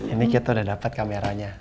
ini kita udah dapat kameranya